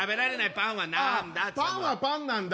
「パンはパンなんだ。